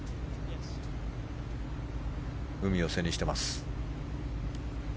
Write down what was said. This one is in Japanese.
海を背にしています。